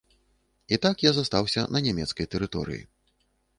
І так я застаўся на нямецкай тэрыторыі.